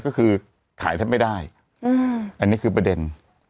ก็คือขายแทบไม่ได้อันนี้คือประเด็น